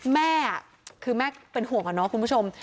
แม่คือแม่เป็นห่วงอะเนาะคุณผู้ชม